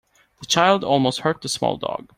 The child almost hurt the small dog.